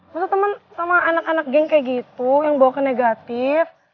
masa temen sama anak anak geng kayak gitu yang bawa ke negatif